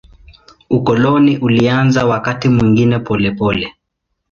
Ukoloni ulianza wakati mwingine polepole.